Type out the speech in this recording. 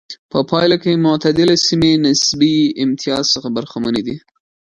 په پایله کې معتدله سیمې نسبي امتیاز څخه برخمنې دي.